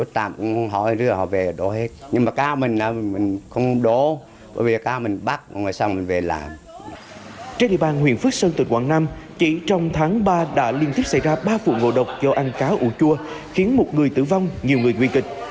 trên địa bàn huyện phước sơn tỉnh quảng nam chỉ trong tháng ba đã liên tiếp xảy ra ba vụ ngộ độc do ăn cá ủ chua khiến một người tử vong nhiều người nguy kịch